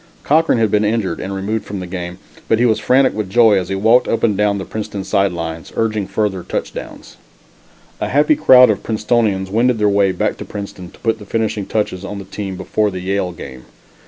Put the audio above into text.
Cochran had been injured and removed from the game, but he was frantic with joy as he walked up and down the Princeton side lines, urging further touchdowns. A happy crowd of Princetonians wended their way back to Princeton to put the finishing touches on the team before the Yale game.